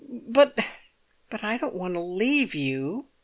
"But—but I don't want to leave you!"